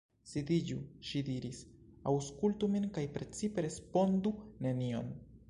Sidiĝu, ŝi diris, aŭskultu min, kaj precipe respondu nenion.